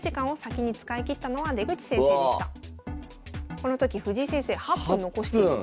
この時藤井先生８分残しています。